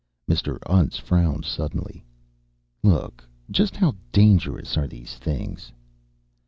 Mr. Untz frowned suddenly. "Look just how dangerous are these things?"